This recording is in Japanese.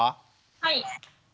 はい。